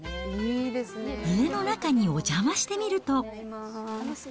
家の中にお邪魔してみると。